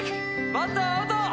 バッターアウト！